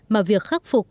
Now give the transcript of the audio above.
mà việc khắc phục